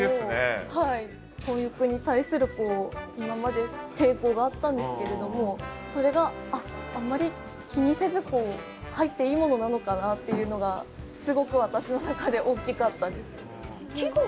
混浴に対する今まで抵抗があったんですけれどもそれがあっあんまり気にせずこう入っていいものなのかなっていうのがすごく私の中で大きかったです。